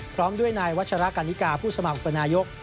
พร้อมด้วยนายวัชรากันนิกาผู้สมัครอุปนายก